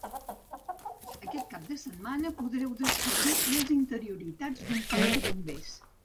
Aquest cap de setmana podreu descobrir les interioritats d’un parc de bombers.